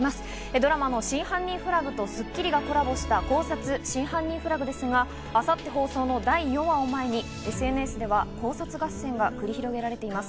ドラマ『真犯人フラグ』と『スッキリ』がコラボした「考察！真犯人フラグ」ですが、明後日放送の第４話を前にＳＮＳではさまざまな考察合戦が繰り広げられています。